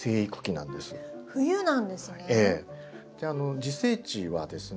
自生地はですね